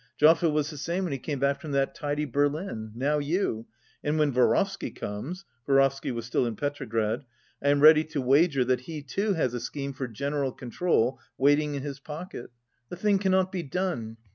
Joffe was the same when he came back from that tidy Berlin. Now you; and when Vorovsky comes (Vorovsky was still in Petrograd) I am ready to wager that he too has a scheme for general control waiting in his pocket. The thing cannot be done.